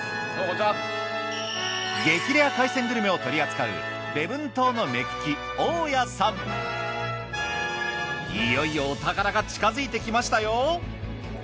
激レア海鮮グルメを取り扱ういよいよお宝が近づいてきましたよ。